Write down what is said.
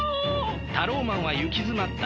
タローマンはゆきづまった。